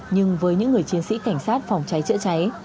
nhưng với những người chiến sĩ cảnh sát phòng cháy chữa cháy